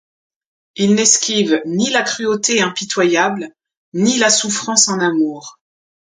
Il n'esquive ni la cruauté impitoyable ni la souffrance en amour.